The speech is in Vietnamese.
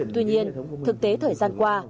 tuy nhiên thực tế thời gian qua